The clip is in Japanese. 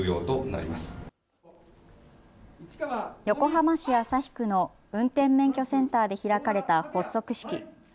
横浜市旭区の運転免許センターで開かれた発足式。